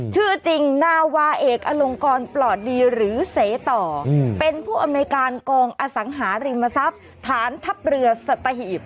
ชื่อจริงนาวาเอกอลงกรปลอดดีหรือเสต่อเป็นผู้อำนวยการกองอสังหาริมทรัพย์ฐานทัพเรือสัตหีบ